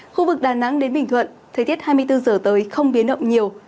khu vực đà nẵng đến bình thuận thời tiết hai mươi bốn giờ tới không biến động nhiều